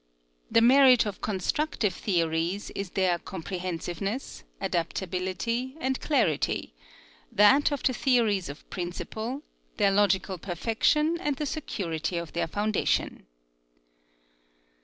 The merit of construc tive theories is their comprehensiveness, adapt ability, and clarity, that of the theories of principle, their logical perfection, and the security of their foundation.